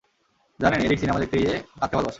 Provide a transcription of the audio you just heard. জানেন, Eric cinema দেখতে গিয়ে কাঁদতে ভালোবাসে।